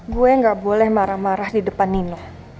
gue gak boleh marah marah di depan nino